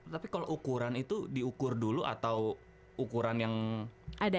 tapi kalo ukuran itu diukur dulu atau ukuran yang umum aja